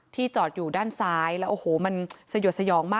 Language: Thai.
จอดอยู่ด้านซ้ายแล้วโอ้โหมันสยดสยองมาก